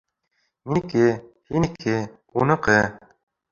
Минеке, һинеке, уныҡы